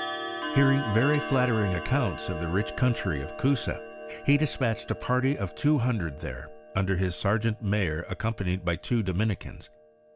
J Hearing very fiattering accounts of the rich country of Coosa, he despatched a party of two hundred there, under his sargente mayor accompanied by two Domin icans.